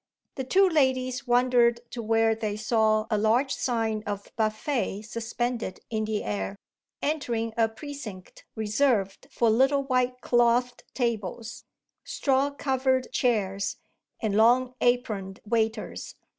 The two ladies wandered to where they saw a large sign of "Buffet" suspended in the air, entering a precinct reserved for little white clothed tables, straw covered chairs and long aproned waiters.